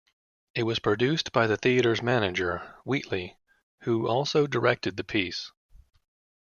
It was produced by the theatre's manager, Wheatley, who also directed the piece.